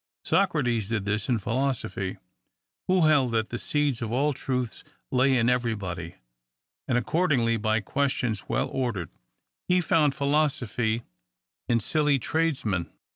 So crates did thus in philosophy, who held that the seeds of all truths lay in every body ; and accordingly, by questions well ordered, he found philosophy in silly THE COUNTRY PARSON. 47 tradesmen.